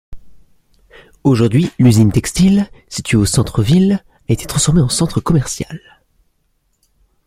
Aujourd'hui l'usine textile, située au centre ville, a été transformée en centre commercial.